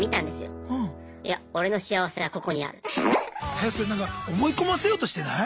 えっそれなんか思い込ませようとしてない？